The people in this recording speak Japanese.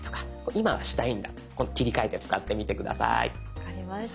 分かりました。